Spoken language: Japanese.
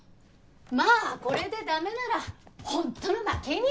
まあこれで駄目なら本当の負け犬よ。